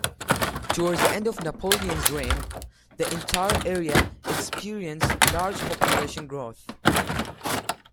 Towards the end of Napoleon's reign, the entire area experienced large population growth.